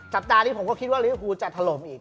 สัปดาห์ที่ผมก็คิดว่าฮูจะทะลมอีก